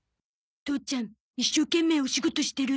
父ちゃん一生懸命お仕事してる。